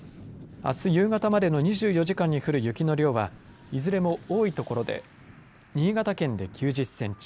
あす夕方までの２４時間に降る雪の量はいずれも多い所で新潟県で９０センチ